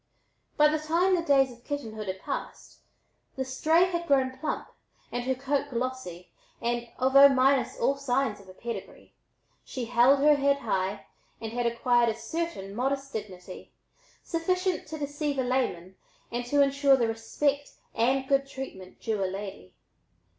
By the time the days of kittenhood had passed the "stray" had grown plump and her coat glossy, and although minus all signs of pedigree, she held her head high and had acquired a certain modest dignity, sufficient to deceive a layman and to insure the respect and good treatment due a lady.